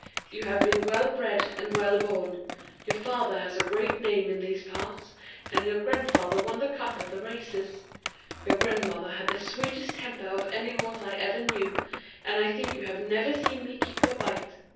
You have been well bred and well born; your father has a great name in these parts, and your grandfather won the cup at the races; your grandmother had the sweetest temper of any horse I ever knew, and I think you have never seen me kick or bite.